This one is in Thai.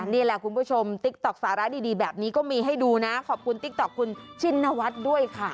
นี่แหละคุณผู้ชมติ๊กต๊อกสาระดีแบบนี้ก็มีให้ดูนะขอบคุณติ๊กต๊อกคุณชินวัฒน์ด้วยค่ะ